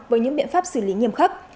với những biện pháp xử lý nghiêm khắc